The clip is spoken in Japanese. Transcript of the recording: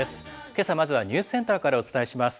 けさ、まずはニュースセンターからお伝えします。